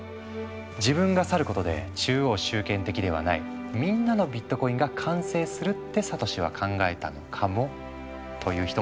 「自分が去ることで中央集権的ではないみんなのビットコインが完成する」ってサトシは考えたのかもという人もいるんだ。